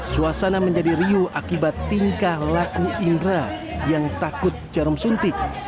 suasana menjadi riuh akibat tingkah laku indra yang takut jarum suntik